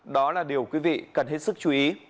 đó là điều quý vị cần hết sức chú ý